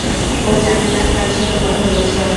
ও জানে না কার সাথে কথা বলছে।